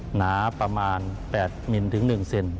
หนาประมาณ๘มิลลิเมตรถึง๑เซน